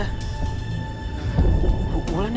ini sebenernya ada apa sih tante